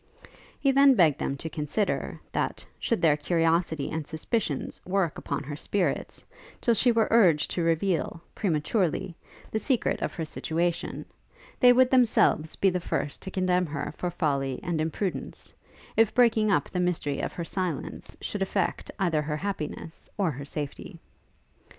He then begged them to consider, that, should their curiosity and suspicions work upon her spirits, till she were urged to reveal, prematurely, the secret of her situation, they would themselves be the first to condemn her for folly and imprudence, if breaking up the mystery of her silence should affect either her happiness or her safety.